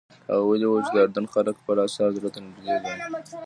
هغه ویلي وو چې د اردن خلک خپل اثار زړه ته نږدې ګڼي.